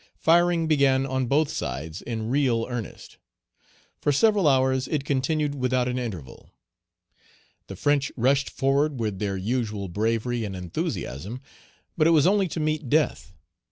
Firing began on both sides in real earnest. For several hours it continued without an interval. The French rushed forward with their usual bravery and enthusiasm, but it was only to meet death.